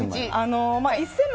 １０００万。